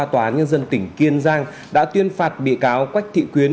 tòa nhân dân tỉnh kiên giang đã tuyên phạt bị cáo quách thị quyến